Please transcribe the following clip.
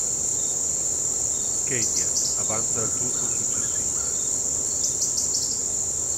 Kenya avanza al turno successivo.